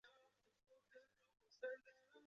张军对检察机关自身防控还进一步强调指出